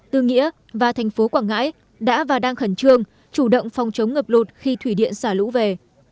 tư nghĩa và thành phố quảng ngãi đã và đang khẩn trương chủ động phòng chống ngập lụt khi thủy điện xả lũ về